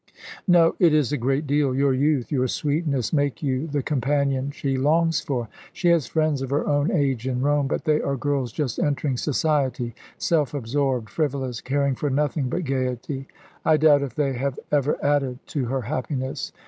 "No, it is a great deal. Your youth, your sweetness, make you the companion she longs for. She has friends of her own age in Rome, but they are girls just entering Society, self absorbed, frivolous, caring for nothing but gaiety. I doubt if they have ever added to her happiness.